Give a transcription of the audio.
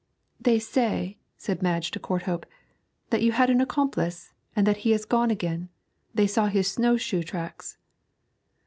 'They say,' said Madge to Courthope, 'that you have had an accomplice, and that he is gone again; they saw his snow shoe tracks.'